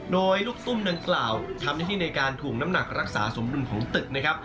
โดยลูกตุ้มดังกล่าวทำหน้าที่ในการถูกน้ำหนักรักษาสมดุลของตึกนะครับ